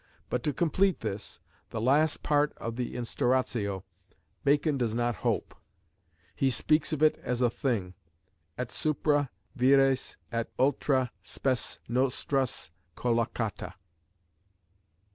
But to complete this, the last part of the Instauratio, Bacon does not hope; he speaks of it as a thing, et supra vires et ultra spes nostras collocata."